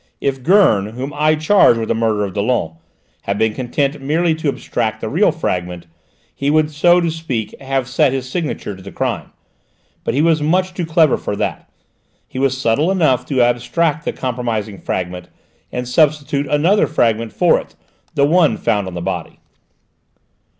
If Gurn, whom I charge with the murder of Dollon, had been content merely to abstract the real fragment, he would so to speak have set his signature to the crime. But he was much too clever for that: he was subtle enough to abstract the compromising fragment and substitute another fragment for it the one found on the body."